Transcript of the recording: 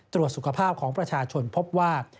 ตรวจสุขภาพของประชาชนพบว่า